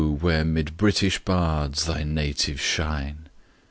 where 'mid British bards thy natives shine!